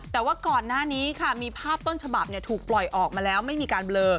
แต่ว่าก่อนหน้านี้ค่ะมีภาพต้นฉบับถูกปล่อยออกมาแล้วไม่มีการเบลอ